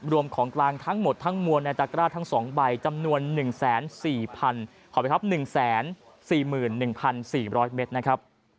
รวมของกลางทั้งหมดทั้งมวลในตรักร่าทั้งสองใบจำนวน๑๔๐๔๐๐เมตร